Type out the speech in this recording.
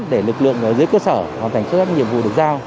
để lực lượng dưới cơ sở hoàn thành các nhiệm vụ được giao